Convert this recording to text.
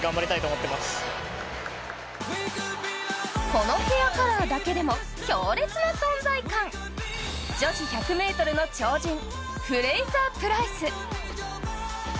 このヘアカラーだけでも強烈な存在感、女子１００ｍの超人フレイザープライス。